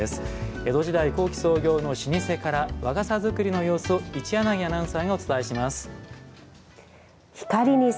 江戸時代後期創業の老舗から和傘作りの様子を一柳アナウンサーがお伝えします。